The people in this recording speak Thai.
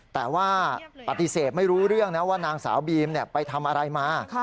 แต่ว่าปฏิเสธไม่รู้เรื่องนะว่านางสาวบีมไปทำอะไรมา